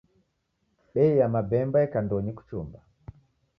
Bei ya mabemba eka ndonyi kuchumba.